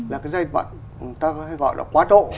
là cái giai đoạn người ta gọi là quá độ